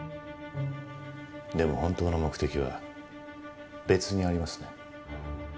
でも本当の目的は別にありますね？